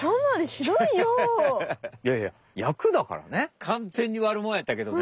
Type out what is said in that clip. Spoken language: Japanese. いやいや役だからね。